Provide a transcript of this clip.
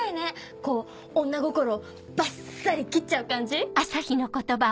こう女心をバッサリ斬っちゃう感じ？